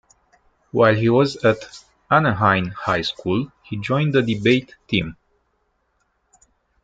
While he was at Anaheim High School, he joined the debate team.